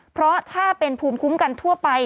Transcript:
เพราะถ้าเป็นภูมิคุ้มกันทั่วไป